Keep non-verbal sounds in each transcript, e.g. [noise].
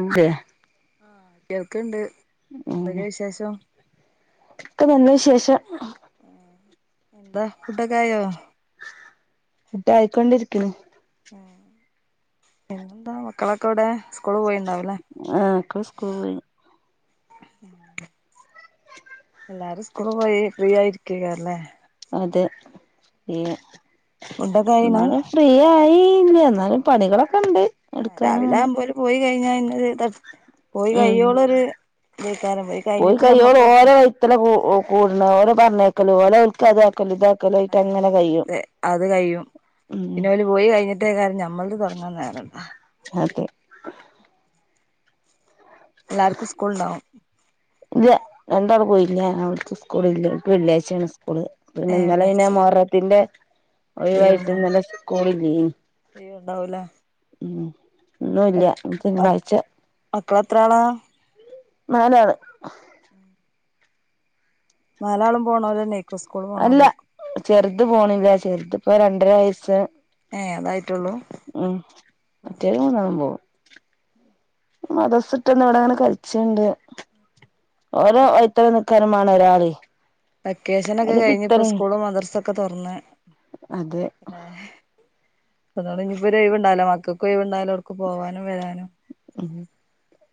അതെ ആ കേൾക്ണ്ട് ന്തൊക്കെ വിശേഷം ക്കെ നല്ല വിശേഷം ഉം എന്താ ഫുഡൊക്കായോ? ഫുഡായിക്കൊണ്ടിരിക്ക്ണ്. പിന്നെന്താ മക്കളൊക്കെ ഔടെ ആ ഒക്കെ സ്കൂള് പോയിണ് ഉം..... കെ എല്ലാരും സ്കൂളുപോയി ഫ്രീ ആയിരിക്ക യ്ക്കാരലേ അതെ ഈ ഫുഡൊക്കെ ആയിണ് ഇങ്ങള് ഫ്രീയായി ഇല്ല ന്നാലും പണികളൊക്കെണ്ട് ആഹ് രാവിലെ എടുക്കാന്ങ്ങനെ ആവുമ്പോ ഓല് പോയി കഴിഞ്ഞാ. പിന്നെര് [unintelligible] പോയി കയ്യോളൊരു തേക്കാരം പോയി കഴിഞ്ഞിട്ട് ഞമ്മക്ക് കൊർച്ച് ഓ കൂടുണോല് പറഞ്ഞേക്കലും ഓലെൽ ക്കതാ ക്കലും ഇതാക്കലും ആയിട്ട് അങ്ങനെ ആഹ് കയും അതെ അത് കഴിയും പിന്നെ ഓല് പോയി കഴിഞ്ഞിട്ടേ കാരം ഞമ്മൾത് തൊടങ്ങാൻ നേരണ്ട ആ... - എല്ലാർക്കും സ്കൂൾണ്ടാവും ഇല്ല രണ്ടാള് പോയില്ല അവക്ക് സ്കൂളില്ല ഓൽക് വെള്ളി ആഴിച്ചേണ് സ് കുൾ പിന്നെ ഏഹ് ഇന്നലെ പിന്നെ വെള്ളിയാഴ്ച മുഹറത്തിന്റെ ഒയിവായിട്ട് ഇന്നലെ സ്കൂളില്ലേനി ലീവുണ്ടാവുലേ മ് ഇന്നുല്ല തിങ്കളാഴ്ച മക്കളെത്ര ആളാ നാലാള് നാലാളും പോണേലഞ്ഞെയ്ക്കും അല്ല ചെറുത് പോണില്ല ചെറുത്പ്പം രണ്ടര വയസ്സ് ഏ ഉം ആഹ് മറ്റോല് മൂന്നാളും പോക്കും മതസ്ട്ടന്ന് ഇവിടെങ്ങനെകൾച്ച്ണ്ട് ഓലെ വയ്ത്തേലെ നിക്കാ നും മാണ്ണം ഒരാളെ വെക്കേഷനെക്കെ കഴിഞ്ഞപ്പോ സ്കൂളും മദ്രസെക്കെതുറന്ന് അതെ തന്നെ അതോണ്ട് ഇഞ്ഞ്പ്പോ ഒര് ഒഴിവ്ണ്ടാവൂല മക്കൾക്കു ഒഴിവുണ്ടാവൂല ഒട്ക്കും പോവാനും വരാനും ഉം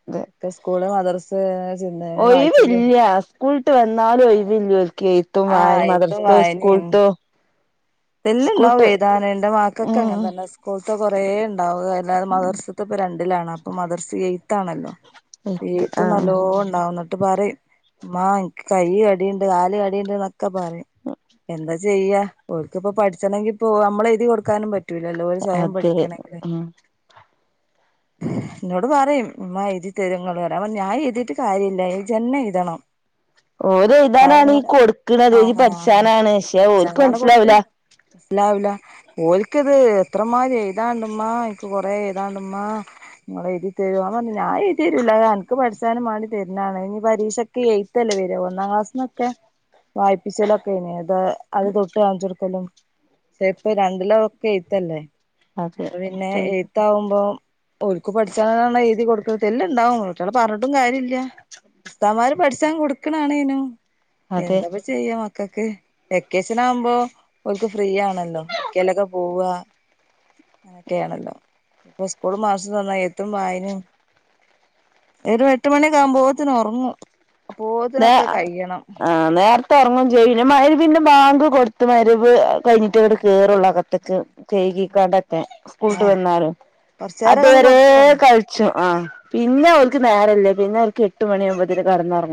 അതെ ഒക്കെ സ്കൂള് മദ്രസ് ചിന്തന വായിച്ചല് ഒഴിവില്ല സ്കൂൾട്ട് വന്നാലു ഒയ് വ് ല്ലോൽക്ക് ത്തും ആഹ് വായനിം മദ്രാസ്ത്തെ സ്കൂൾത്തോ എല്ലണ്ടാവും സ്കൂൾട്ട് എയ്താന് ന്റെ മകൾക്കൊക്കെ അങ്ങനെ ഉം തന്നെ സ്കൂൾത്തെ കൊറേ ണ്ടാവും കാരണം അഹ്‌ മദർസ്ത്തപ്പം രണ്ടിലാണ് അപ്പൊ മദർസ് എയ്ത്താണല്ലോ എഴുത്ത് എഴ്ത്ത് ആഹ് നല്ലോണ്ടാവും ന്നട്ട് പ റിം മ്മാ, ൻക്, കൈടയണ്ട്, കാലടയിണ്ട്, എന്നൊക്കെ, പറയും, എന്താ ചെയ്യാ, ഓര്ക്കിപ്പോ, പഠിച്ചണെങ്കിപ്പോ, നമ്മള, എയ്തി, കൊടുക്കാനും, പറ്റും പറ്റൂല്ലല്ലോ, സ്വയം, അതെ പഠിക്കണെങ്കില് ഉം ന്നോട്, പറയും മ്മാ എയ്തിത്തെരോ ങ്ങള്റ അപ്പ ഞാൻ എയ്തിയിട്ട് കാര്യല്ല ജെന്നെ എയ്തണം ഓത് എഴുതാനാണ് ഈ കൊടുക്കണ അത് എഴുതി ആഹ് പഠിച്ചാനാണ് പക്ഷെ ഓലക്ക് മനസ്സിലാവില്ല ല്ലാ ലാ ഓലിക്കത് എത്രമാതിരി എയ്താണ്ടമ്മ നിക്ക് കൊറ എഴതാണ്ടമ്മ തിത്തെരോന്ന ഞാഎയ്‌തെരൂല അത് അന്ക്ക് പഠിച്ചാനും മാണ്ടി തെര്ണെണ്ഞ്ഞ് പരീശെക്ക് എയ്ത്തല്ലെ, വര ഒന്നാം ക്ലാസ്ന്നൊക്കെ വായിപ്പിച്ചലൊക്കെ [unintelligible] അത തൊട്ട് കാണിച്ചുടുക്കലും ചേപ്പ രണ്ടിലോ ഒക്കെ യ്ത്തല്ലേ അതെ അപ്പൊ പിന്നെ എയ്ത്തകുമ്പോ [unintelligible] പഠിച്ചാലാണ് എഴുതി കൊടുക്കുന്നത് തല്ണ്ടാവും പറഞ്ഞിട്ടും കാര്യ പുസ്താമാര് പഠിച്ചാൻ കൊടുക്കണണനും അതെ എന്താപ്പ ചെയ്യ ഒക്കൊക്കെ വെക്കേഷൻ ആവുമ്പോ അവക്ക് ഫ്രീ ആണല്ലോ ഒരിക്കലൊക്കെ പോവ അനൊക്കെയാണല്ലോ, ഇപ്പോ സ്കൂൾ മാസന്നാ എത്തും വായന ഒരു എട്ട് മണിക്കാകുമ്പോത്തിന് ഒറങ്ങും നേ, ആ, നേരത്തെ ഉറങ്ങും ചെയ്യും ന്നെ മഇരിബിന്റെ പിന്നെ ബാങ്ക് കൊടുത്ത്, മരു കയ്ഞ്ഞിട്ട് ആഹ് ഇങ്ങടെ കേറുള്ളു അകത്തക്ക് അതന്നെ ചെയ്കിക്കണ്ടക്കെ സ്കൂളട്ട് ആഹ് വന്നാണ്ടൊക്കെ കൊറച്ചേരൊക്കെ ഒന്ന് അതുവരെ പുറത്ത് കളി കളിച്ചു ആ പിന്നെ, ഓൽക്ക്, നേരല്ല, പിന്നെ, ഓർക്ക്, എട്ട്, മണിയാവുമ്പോത്തിന്, കടന്നൊറങ്ങ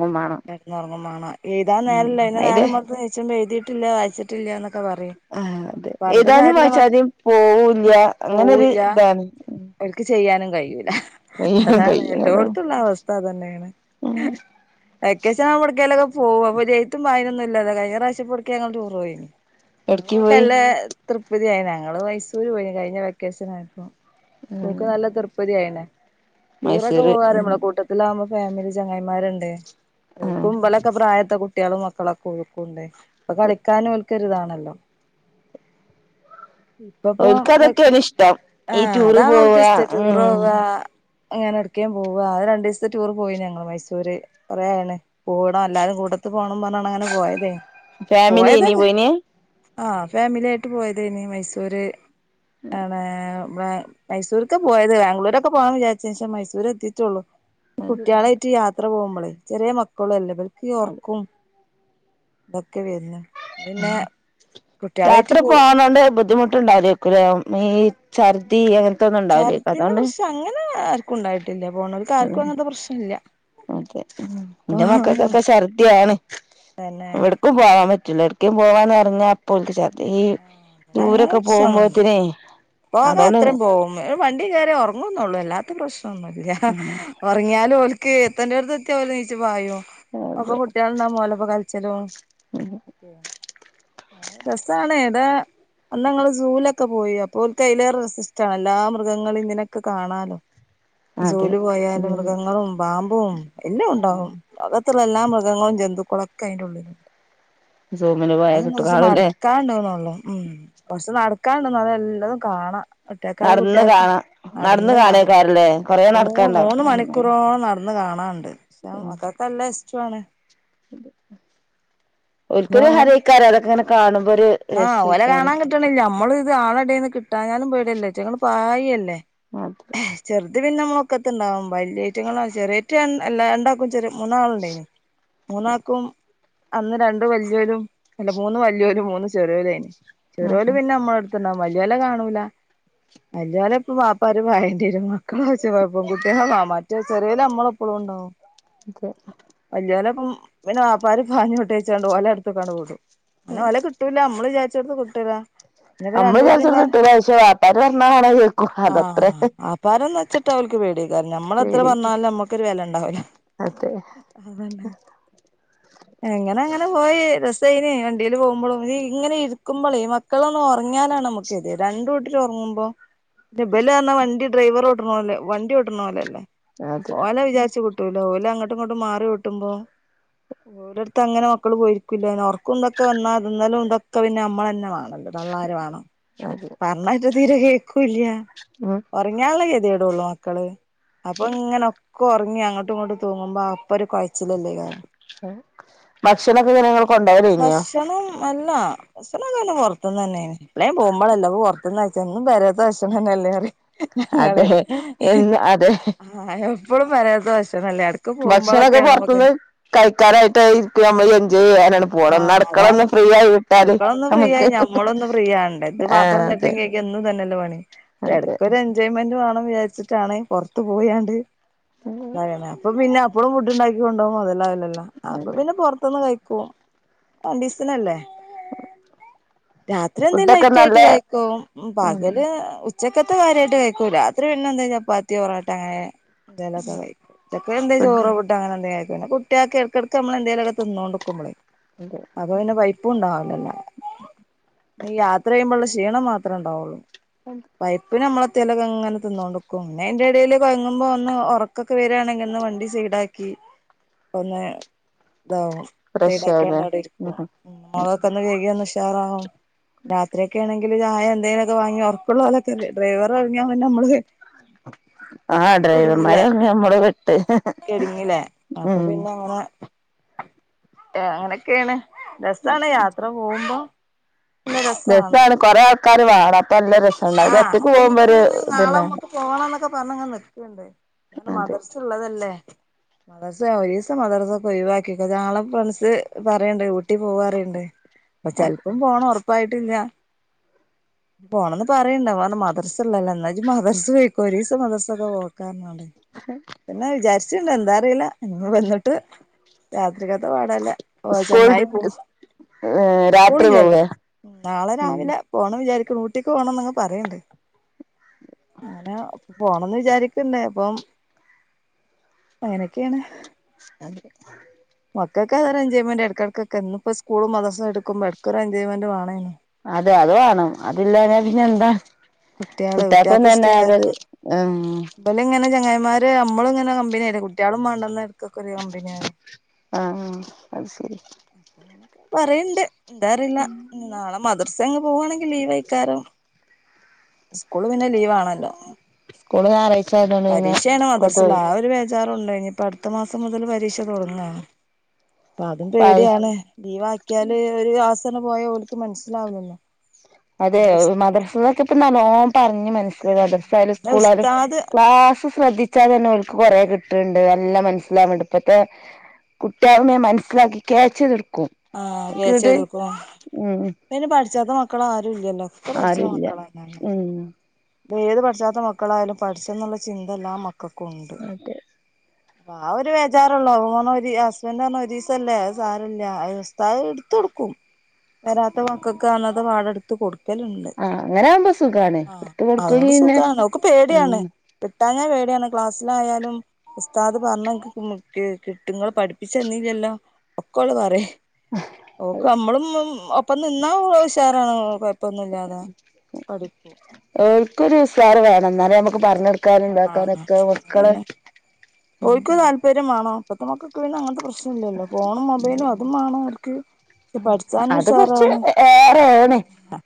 കെട്ടന്നറങ്ങും, വേണോ, എഴുാൻ ഉം നേരല്ല, അയ്ൻ, അയില് നേരം, മ നച്ച്പ, എയ്തിട്ടില്ല, വായിച്ചിട്ടില്ലന്നൊക്കെ, പറയും ആഹ് അതെ പറടെ, ഏതാനും കാര്യല്ല, മക്ക്, വായിച്ചാനും പോവൂല്ല അങ്ങനൊരു പോവില്ല, ഇതാണ് ഒൽക്ക്, ചെയ്യാന നും, കയ്യൂല, കയ്യും അതാണ്, കയ്യണതാണ് എല്ലാടത്തും, ള്ള, അവസ്ഥ, തന്നെണ് ഉം വെക്കശൻ, എവിടക്കലൊക്കെ, പോകും അപ്പ ത്തുംയൊന്ന, ഇല്ലെ കഴഞ്ഞാവശ്യ, പെട്ക്ക, ഞങ്ങൾ ടൂർ, പോയി അപ്പൊ, എടക്ക് പോയി തൃപതിയയി, ഞങ്ങള്, മൈസൂര്, പോയി കഴിഞ്ഞ, വെക്കേഷൻ, ആയിപ്പോ ഉം നോക്ക്, നല്ല, തിർപ്പതിയായീന് ടൂറൊക്കെ, മൈസൂര് ഉം പോകറമ്പളെ, കൂട്ടത്തില, ആകുമ്പോ ഫാമിലി, ചങ്ങായിമാരുണ്ട്, ആഹ് ഓൽക്കും, മ്പലൊക്കെ, പ്രായത്തെ, കുട്ടികളും മക്കളൊക്കെ, ഓൽക്കുംണ്ട് അപ്പൊ, കളിക്കാനോൽക്കരുതാണല്ലോ ഇപ്പപ്പ, ഓൽക്ക് അതൊക്കെയാണ് ഇഷ്ടം ആ, ഈ ടൂറ് അതാണ്, പോവ ഓൽക്ക്, ഇഷ്ട, ഉം ടൂറോവാ അങ്ങനെ, എടക്കേയും, പോവ, അ രണ്ടു, സത്തെ ടൂർ, പോയി, ഞങ്ങള്, മൈസൂര് കുറേയാണ്, പോണം, എല്ലാരും, കൂടെത്തി പോണം, പറഞ്ഞാണ്, ങ്ങനെ, പോയതേ, ഫാമിലി ഇനി പോയതൊക്കെ പോയിന് ആഹ, ഫാമിലി ആായിട്ട്, പോയത്, ഇനി മൈസൂര്, ആണ ബ്ല, മൈസൂർക്, പോയത്, ബാംഗ്ലൂരൊക്കെ, പോകന്ന്, വിചാച്ച, ശേഷം, മൈസൂര്, എത്തിട്ടുള്ളൂ കുട്ടികളായിട്ട് യാത്ര പോകുമ്പോളെ ചെറിയ മക്കള അല്ലേ അവർക്ക് ഉറക്കും [unintelligible] വേദന യാത്ര പോ പോകാനണ്ട് ബുദ്ധിമുട്ട് ണ്ടാവ ഈ ഛർദി അങ്ങന [unintelligible] പ്രശ്നം അങ്ങനെ ആർക്കും ഉണ്ടായിട്ടില്ല പോണവക്ക് ആർക്കും അങ്ങനത്തെ പ്രശ്നമ ഇല്ല [unintelligible] എന്റെ മക്കൾക്കൊക്കെ ഛർദാണ് പിന്നെ എവിടക്കും പോവാൻ പറ്റ [unintelligible] പോവാന്ന് പററിഞ്ഞാ അപ്പോ ച ഈ ആഹ് ദൂരൊക്കെ പോകുമ്പോത്തനേ പോകാം അത്രയും പോവും വണ്ടി കയറി ഉറങ്ങന്നള്ളൂ എല്ലാത്തും പ്രശ്നം ഒന്നുമല്ല ഉറങ്ങിയാലും ഓലക്ക് എത്തന്റെ അടുത്ത് എത്തിയാ ഓല നീച്ച പായോ ഒപ്പൊ അതെ കുട്ടികൾന്നാ പോലപ്പോ കളിച്ചലും രസണ ഇടാ അന്ന് ങ്ങള് സൂലൊക്കെ പോയി തൽ കയിലേറെ രസ ഇഷ്ടമാണ് എല്ലാ മൃഗങ്ങളും ഇതിനൊക്കെ കാണാലോ അതെ ജോലി പോയാല് ഉം മൃഗങ്ങളും പാമ്പും എല്ലാം ഉണ്ടാവും ലകത്ത് എല്ലാ മൃഗങ്ങളും ജന്തുക്കളൊക്കെ അതിറെ ഉള്ളിലുണ്ട് സൂമിന് പോയാ അത്ന് കിട്ടു കുറച്ച് കാണൂല്ലേ നടക്കാണ്ടോന്നള്ളു ഉം കൊറച്ച് നടക്കാണ്ട്ന്ന് എല്ലതും കാണാ ഒറ്റക്കാര് നടന്ന് കുട്ട്യാക്ക് കാണാ നടന്ന് കാണാ കാണേക്കാരല്ലേ കൊറേ നല്ലോം നടക്കാണ്ടാവും മൂന്ന് ഉം മണിക്കൂറോളം നട ന്ന് കാണാണ്ട് [unintelligible] മക്കക്കല്ല ഇഷ്ട്ടുആണ് ഇ അപ്പൊ ഒൽക്കൊരു അങ്ങനെ ഹരയ്ക്കാരം അതൊക്കെ ഇങ്ങനെ കാണുമ്പോ ഒരു രസയ്ക്കാരം നമ്മള്ത് ആളടേന്ന് കിട്ടാഞ്ഞാലും പേടിയല്ലേ റ്റെങ്ങള് പായ്യല്ലേ അത് പിന്നെ നമ്മളൊക്കത്ത്ണ്ടാവും വല്ല്യേറ്റങ്ങളാണ് ചെറിയേറ്റാണ് അല്ല രണ്ടാക്കും ചെറിയ മൂന്നാളുണ്ടെയ്നി മൂന്നാക്കും അന്ന് രണ്ട് വല്ല്യോലും അല്ല മൂന്ന് വല്ല്യോലും മൂന്ന് ചെറിയോലും ഏയ്ന്ന് ഉം ചെറിയോല് പിന്നെ നമ്മളട്ത് വല്ല്യോലെ കാണൂല വല്ല്യോലൊപ്പം ബാപ്പാര് പായണ്ട്യരും മക്കളാവശ്യം [unintelligible] പെൺകുട്ട്യാള [unintelligible] ചെറിയോര് നമ്മളൊപ്പും ഉണ്ടാവും ഇക്ക വല്യോലപ്പം പിന്നെ വാപ്പാര് പാഞ്ഞോട്ടിച്ചാണ്ട് ഓലട്ത്ത്ക്കാണ്ട് വിടും പിന്നെ പിന്നെ ഓലെകിട്ടൂലാ നമ്മള് വിചാ ച്ചോട്ത്ത് കിട്ടൂല പിന്നെപ്പൊ രണ്ട് അതെ നമ്മള് വിചാരിച്ചോട്ത്ത് [unintelligible] കിട്ടൂല പക്ഷെ വാപ്പാര് പറഞ്ഞാ അങ്ങനെ കേക്കും ആ അതത്രേ ബാപ്പാരൊന്ന് ഒച്ചട്ടാ ഓൽക്ക് പേടി ഐക്കാരം നമ്മ എത്ര പേടി പറഞ്ഞാലും നമ്മക്കൊരു വെലൻ ണ്ടാവൂല അതെ അതന്നെ എങ്ങന അങ്ങനെ പോയി റെ സൈനേ വണ്ടിയില് പോകുമ്പളും ഇങ്ങനെ ഇരിക്കക്കുമ്പോളേയ് മക്കളൊന്നൊറങ്യാലാണ് നമ്മക്ക് തെ രണ്ടൂട്ടരും ഒർങ്ങുമ്പോ പിന്നെ ബല് പർഞ്ഞാ വണ്ടി ഡ്രൈവറോട്ട്ണോലെ വണ്ടി ഓട്ട്ണോലല്ലേ അതെ ഓല വിചാരിച്ച് കിട്ടൂല ഓലങ്ങോട്ടും ഇങ്ങോട്ടും മാറി ഓട്ടുമ്പോ ഓരട്ത്തങ്ങനെ മക്കള് പോയിരിക്കൂല്ലേ ഒർക്കും ഇന്തൊക്കെ വന്നാ തിന്നലും ഇതൊക്കെ പിന്നെ നമ്മളന്നെ വാണല്ലോ തള്ളാര് വാണം അതെ പർഞ്ഞാറ്റെ തീരെ കേക്കൂല്ല്യാ ഉം ഒർങ്യാള്ള കെ ത്യേടുള്ളൂ മക്കള് അപ്പൊങ്ങനെ ഒ ഉർങ്ങി അങ്ങട്ടും ഇങ്ങട്ടും തൂങ്ങുമ്പോ അപ്പൊരു കൊയ്ച്ചിലല്ലേക്കാരം ഭക്ഷണൊക്കെ എങ്ങനെ ങ്ങള് കൊണ്ടോയ്തേയ്ന്നോ ഭക്ഷണം അല്ല ഭക്ഷണം എല്ലം പൊർത്ത്ന്നെന്നേയ്ന്ന് എപ്ളേം പോ മ്പളല്ലേഅപ്പൊ പൊർത്ത്ന്നയ്ച്ചാ പറിം എന്നും പെരേത്തെ ഭക്ഷണംതന്നെ അല്ലേ പറിം ഞങ്ങള് അതെ എന്ന് അതെ ആ എപ്പളും പെരേത്തെ ഭക്ഷ ഭക്ഷണൊക്കെ പൊർത്ത്ന്ന് കഴിക്കാനായിട്ട് [unintelligible] നമ്മള് എൻജോയ് ചെയ്യാനാണ് പോ ആ അതാണ് അടുക്കളൊന്നും ഫ്രീ നമുക്ക് ആയി നമ്മളൊന്ന് ഫ്രീ ആവണ്ടേ ഇത് ആഹ് പാത്രം അതെ ചട്ടിം കേകിവന്ന് എന്നും ഇതന്നല്ലേ പണി അപ്പൊ അതെ എടക്കൊരു എൻജോയ്മെ ന്റ് വാണം വിചാരിച്ചിട്ടാണ് പുറത്ത് പോയാണ്ട് അതന്നെ അപ്പ പിന്നെ എപ്പളും ഫുഡ്ണ്ടാക്കി കൊണ്ടോകുമ്പോ മൊതലാവില്ലല്ലോ അപ്പൊ അതെ പിന്നെ പൊർത്ത്ന്ന് കഴിക്കും രണ്ടീസ്തിനല്ലേ രാത്രി എന്തേലും ഫുഡൊക്കെ ലൈറ്റ് നല്ല ആയിട്ട് കഴിക്കും ഉം പകല് ഉച്ചക്കത്ത് കാര്യായിട്ട് കഴിക്കൂലാ. രാത്രി പിന്നെന്താ ചപ്പാത്തിയോ പൊറോട്ടെ അങ്ങനെ എന്തേലൊക്കെ കഴിക്കും. ചെക്കനെന്തേലും ചോറോ ഫുഡ് ഫുടൊ അങ്ങനെ എന്തെ പിന്നെ കുട്ട്യാക്കെടക്കടക്ക് നമ്മള് എന്തേലൊക്കെ തിന്നോണ്ട്ക്കുമ്പളേ അപ്പൊ പിന്നെ പൈപ്പുംണ്ടാവൂല. [unintelligible] ഈ യാത്ര ചെയ്യുമ്പോള്ള ക്ഷീണം മാത്രണ്ടാവുള്ളൂ. പൈപ്പിന് നമ്മളെ തേലൊക്കെ ഇങ്ങനെ തിന്നോണ്ട്ക്കും പിന്നെ അയിന്റെ എടേൽ കൊഴങ്ങുമ്പോ ഒന്ന് ഒറക്കൊക്കെ വരാണെങ്കിൽ ഒന്ന് വണ്ടി സൈടാക്കി ഒന്ന് ഇതാവും. ഫ്രഷാണ് സൈടാക്കിയാണ്ടവിടെ ഇരിക്കും. മൊഗൊക്കെ ഒന്ന് കഴുകിയൊന്ന് ഉഷാ ഷാറാകും. രാത്രിയൊക്കെ ആണെങ്കില് ചായ എന്തേലൊക്കെ വാങ്ങി ഒർക്കള്ളോലൊക്കെ ഡ്രൈവർ ഒറങ്ങിയാപിന്നെ നമ്മള് ആ കുടുങ്ങില്ലേ ഡ്രൈവർമാരെ നമ്മള് വിട്ട് കെടുങ്ങില്ലേ അപ്പൊ ഉം പിന്നെ അങ്ങനെ അങ്ങനെയൊക്കെയാണ് രസാണ് യാത്ര പോകുമ്പോ. രസാണ് കൊറേ ആൾക്കാര് വേണം. നല്ല രസണ്ടാവും ഇത് ആഹ് ഒറ്റക്ക് അപ്പൊ പോകുമ്പോ ഇനിയിപ്പോ ഒരു ഇങ്ങനെ നാളെ ഇതന്നെ മ്മക്ക് പോണംന്നൊക്കെ പറഞ്ഞ്ങ്ങനെ നിക്കാണ്. ഞാൻ അതെ മദർസെ ഉള്ളതല്ലേ മദർസ ഒരിസിയും മദർസ ഒക്കെ ഒഴിവാക്കിക്ക് ഞളെ ഫ്രണ്ട്സ് പറയണ്ട് ഊട്ടി പോവാറി ണ്ട്. അപ്പ അതെ ചെലപ്പം പോണം ഉറപ്പായിട്ടില്ല. പോണന്ന് പറയണ്ടാവും മദർസ്ള്ളല്ലേ എന്നാ ജ് മദർസ് പെയ്ക്കോ ഒരീസം മദർസൊന്നും പോകാണ് പറഞ്ഞ്ങ്ങാണ്ട് പിന്നെ വിചാരിച്ചിണ്ട് എന്താ അറീല്ല ഇന്ന് വന്നിട്ട് രാത്രികത്ത് പാടല്ലേ. ഓ സ്കൂൾ ചങ്ങായി പോ രാത്രി സ്കൂളില്ലല്ലോ പോവേ നാളെ ഉം രാവിലെ പോണം വിചാ പോണംന്ന്ങ്ങ് പറയണ്ട്. അങ്ങനെ ഇപ്പൊ പോണന്ന് വിചാരിക്ക് ന്നേ പ്പം അങ്ങനൊക്കെയാണ്. [inaudible] മക്കൾക്ക് അതൊരു എൻജോയ്മെന്റ് എടക്കെടക്കൊക്കെ ഇന്നിപ്പോ സ്കൂളും മദ്രസും എടുക്കുമ്പോ എടക്ക് ഒരു എൻജോയ്മെന്റ് വേണേന്. അതെ അത് വേണം അതില്ലാന്നാ പിന്നെ എന്താ. കുട്ട്യേൾ കുട്ടികൾക്കും കുട്ടേൾക്ക് തന്നെ ഇഷ്ടേ [unintelligible] അതൊരു ക്കാരം ആഹ് ഇബല് ഇങ്ങനെ ങ്ങായിമാര് നമ്മളിങ്ങനെ കമ്പനിയായി കുട്ടികളും വേണ്ടന്ന് ത് ക്കൊക്കെ ഒര് കമ്പനിയാവ ആഹ് അത് ശരി [unintelligible] പറയ്ണ്ട് എന്താറില്ല നാളെ മദർസ അങ്ങ് പോവുവാണെങ്കിൽ ലീവ് ആയിക്കാറ്. സ്കൂള് പിന്നെ ലീവാണല്ലോ. സ്കൂള് ഞാറാഴ് പരീക്ഷാണ് മദർസില് ആ ഒരു വേ ചാ [unintelligible] റുണ്ട് ഇനി ഇപ്പൊ അടുത്ത മാസം മുതൽ പരീക്ഷ തുടങ്ങാണ്. അപ്പൊ അതും പേടിയാണ്. ലീവ് ആക്കിയാല് ഒരു ദിവസംന്ന് പോയ ഓൽക്ക് മനസ്സിലാവില്ലല്ലോ. അതെ പിന്നെ മദ്രസൊക്കെ ഇപ്പ നല്ലോം പറഞ്ഞ് മന മദ്രസയാലും പിന്നെ സ്കൂളായാലും ഉസ്താദ് ക്ലാസ് ശ്രദ്ധിച്ചാതന്നെ ഓൽക്ക് കൊറേ കിട്ടണ് ണ്ട് നല്ല മനസ്സിലാവ്ണ് ണ്ട് ഇപ്പത്തെ കുട്ടിയാളെന്നെ മനസ്സിലാക്കി കെച്ചിതെടുക് ആഹ് കേച്ചെയ്തട്ക്കും ഉം പിന്നെപ്പോ പഠിച്ചാത്ത മക്കളാരു ല്ലല്ലോ ഒക്കെ പഠിച്ചണ ആരുല്ല മക്കളെണെ ന്ന്. ഉം ഏത് പഠിച്ചാത്ത മക്കളായാലും പഠിച്ചെന്നുള്ള ചിന്ത ല്ലാ മക്കക്കുണ്ട്. അതെ ആ ഒരു വേചാറൊള്ളോ അവ പറഞ്ഞ ഹസ്ബൻഡറ് പറഞ്ഞ് ഒരീസല്ലേഅത് സാരല്ലാ അത് ഉസ്താദ് ഇട് തൊടുക്കും വരാത്ത മക്കക്ക് അന്നത്തെ പാടെടുത്ത് കൊടു ക്കലുണ്ട് ആഹ് അങ്ങനാവുമ്പോ സുഖാണ് ആ ഇട്ത്ത് കൊടുക്കല് അതോണ്ട് പിന്നെ സുഖാണ് ഓൾക് പേടിയാണ്. ആഹ് കിട്ടാഞ്ഞാ പേടിയാണ് ക്ലാസ്സിലായാലും ഉസ്താദ് പറഞ്ഞ ക് കെ കിട്ടുങ്ങൾ പഠിപ്പിച്ചെന്നീലല്ലോ ഒക്കെോള് പറയും. ഓൾക് മ്മളും ഒപ്പം നിന്നാ ഓള് ഉഷാറാണ് കൊഴ ഒപ്പൊന്നുമില്ലാതെ പഠിക്കൂ ഒരു സാർ വേണം എന്നാലേ നമുക്ക് പറഞ്ഞകൊട് ആഹ അ തന്നെ പോയിക്കും താല്പര്യംമാണോ പ്പ് ത്ത മക്കക്ക് പിന്ന അങ്ങത്തെ പ്രശ് ഇല്ലല്ലോ ഫോണും മൊബൈലും അതും വേണ അവർക്ക് പക്ഷെ പഠിച്ചാനും അത് കൊറച്ച് ഉഷാറാണ് ഏറേണ്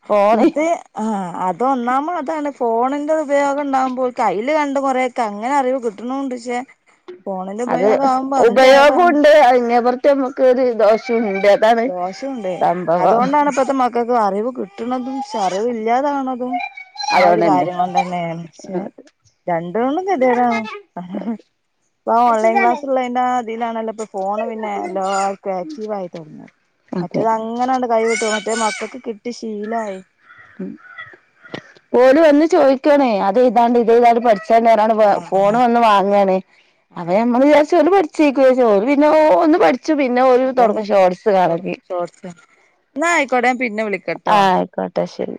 ഫോണ് ഇത് ആ അതൊന്നാമോ അതാണ് ഫോണിന്റെ ഉപയോഗം ഉണ്ടാകുമ്പോൾ കയ്യിൽ കണ്ട കുറേൊക്കെ അങ്ങനെ അറിവ് കിട്ടണണ്ട് ശേ അത് കേടാണ് ഉപയോഗംണ്ട് അങ്ങേപറത്തെ നമ്മുക്ക് രു ദോഷവും ദോഷംണ്ട് അതുകൊണ്ടാണ് ഇപ്പത്തെ മക്കൾക്ക് അറിവ് കിട്ടണതും പക്ഷെ അറിവ് ഇല്ലാതാണതും ആ ഒരു അതുകൊണ്ടന്നെ കാര്യം കൊണ്ട് തന്നെയാണ് ക്ഷേ രണ്ട്ണും ഗെടിയെ ടാണ് [unintelligible] ഇപ്പൊ ഓൺലൈൻ ക്ലാസ്സള്ളതിന്റെ അതിലാണല്ലോ ഇ ഫോണ് പിന്നെ എല്ല ആർക്കും ആക്റ്റീവ് ആയി തുടങ്ങിയത് അതെ മറ്റേത് അങ്ങനെയണ്ട് കൈ കട്ടു [unintelligible] മറ്റേ മക്കൾക്ക് കിട്ടി ശീലമായി ഓര് വന്ന് ചോദിക്കണേ അത താണ്ട് ഇതതാണ്ട് പഠിച്ച ആഹ് ഫോൺ ആഹ് വന്ന് വാങ്ങാണ് പ്പ ആഹ് നമ്മള് വിചാരിച് ഓള് പഠി ചക്കോ പിന്നെ ഒന്ന് പഠ പിന്നെ ഒരു അതന്നെ തുടങ്ങും ഷോർട്സ് കണക്കി തുടങ്ങും ഷോർട്സ് എന്നാ ആയിക്കോട്ടെ ഞാൻ പിന്നെ വിളിക്കട്ടോ ആഹ ആയിക്കോട്ടെ ശരി